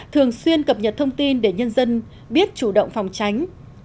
thường xuyên cập nhật thông tin để nhân dân biết chủ động phòng tránh